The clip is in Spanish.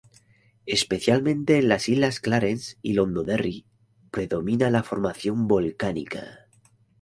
Especialmente en las islas Clarence y Londonderry predomina la formación volcánica.